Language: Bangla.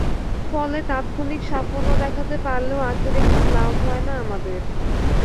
ফলে তাৎক্ষণিক সাফল্য দেখাতে পারলেও আখেরে খুব লাভ হয় না আমাদের।